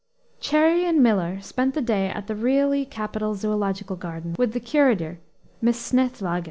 Cherrie and Miller spent the day at the really capital zoological gardens, with the curator, Miss Snethlage.